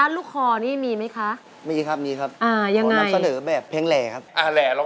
อันนี้เรียกว่าแบบแหล่